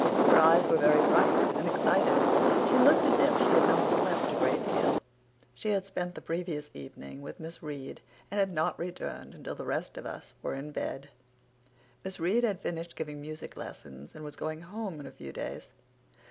Her eyes were very bright and excited. She looked as if she had not slept a great deal. She had spent the previous evening with Miss Reade and had not returned until the rest of us were in bed. Miss Reade had finished giving music lessons and was going home in a few days.